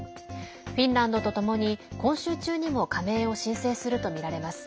フィンランドとともに今週中にも加盟を申請するとみられます。